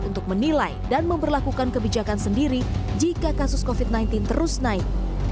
untuk menilai dan memperlakukan kebijakan sendiri jika kasus covid sembilan belas terus naik